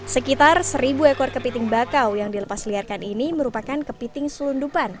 sekitar seribu ekor kepiting bakau yang dilepas liarkan ini merupakan kepiting selundupan